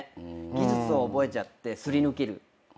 技術を覚えちゃって擦り抜ける。